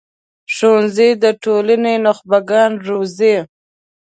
ښوونځی د ټولنې نخبه ګان روزي